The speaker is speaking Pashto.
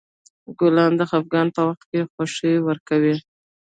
ګلان د خفګان په وخت خوښي ورکوي.